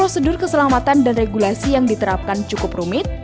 prosedur keselamatan dan regulasi yang diterapkan cukup rumit